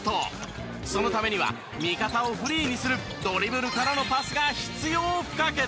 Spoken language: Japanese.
そのためには味方をフリーにするドリブルからのパスが必要不可欠。